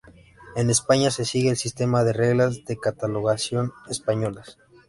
En España se sigue el sistema de reglas de catalogación españolas.